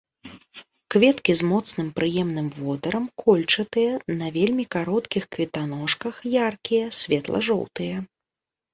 Кветкі з моцным прыемным водарам, кольчатыя, на вельмі кароткіх кветаножках, яркія, светла жоўтыя.